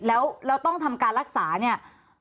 แล้วต้องทำการรักษาเนี่ย